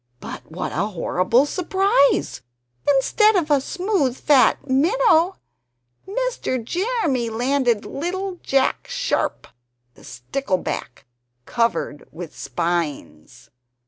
But what a horrible surprise! Instead of a smooth fat minnow, Mr. Jeremy landed little Jack Sharp, the stickleback, covered with spines!